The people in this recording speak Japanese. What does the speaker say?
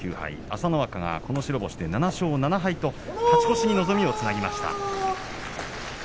朝乃若、この白星で７勝７敗と勝ち越しに望みをつなぎました。